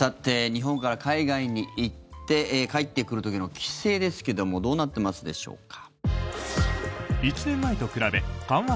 日本から海外に行って帰ってくる時の規制ですがどうなっていますでしょうか。